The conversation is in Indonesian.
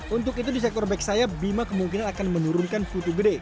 untuk itu di sektor back sayap bimas kemungkinan akan menurunkan putu gede